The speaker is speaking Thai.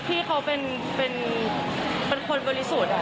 ที่เขาเป็นคนบริสุทธิ์